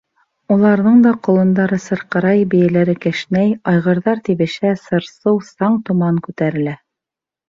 Уларҙың да ҡолондары сырҡырай, бейәләре кешнәй, айғырҙар тибешә, сыр-сыу, саң-томан күтәрелә.